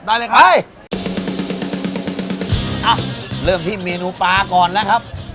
ได้เลยครับเริ่มที่เมนูปลาก่อนนะครับ